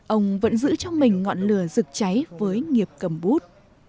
ông vẫn giữ trong mình ngọn lửa rực cháy với nghiệp cầm bút